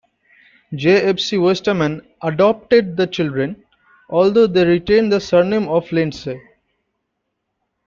J F C Westerman "adopted" the children although they retained the surname of Lindsaye.